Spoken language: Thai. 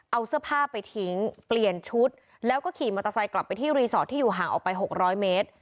เอาเสื้อผ้าไปทิ้งเปลี่ยนชุดแล้วก็ขี่มอเตอร์ไซค์กลับไปที่รีสอร์ทที่อยู่ห่างออกไป๖๐๐เมตร